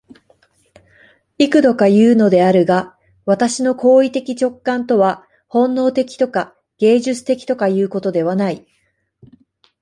幾度かいうのであるが、私の行為的直観とは本能的とか芸術的とかいうことではない。